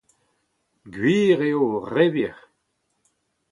Gwir eo, re wir.